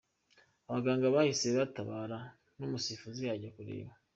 Abaganga bahise batabara n'umusifuzi ajya kureba .